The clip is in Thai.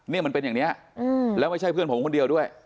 นี่มันเป็นอย่างนี้แล้วไม่ใช่เพื่อนผมคนเดียวด้วย